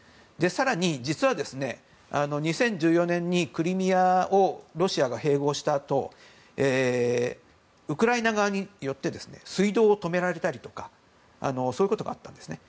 更に、実は２０１４年にクリミアをロシアが併合したあとウクライナ側によって水道を止められたりとかそういうことがあったんです。